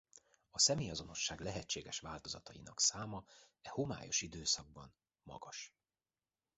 A személyazonosság lehetséges változatainak száma e homályos időszakban magas.